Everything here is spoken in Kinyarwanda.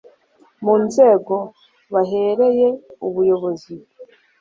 mu nzego bahereye abayobozi